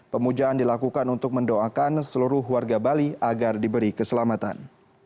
pemujaan dilakukan untuk mendoakan seluruh warga bali agar diberi keselamatan